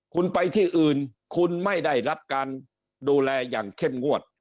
คุณไปที่อื่นคุณไม่ได้รับการดูแลอย่างเข้มงวด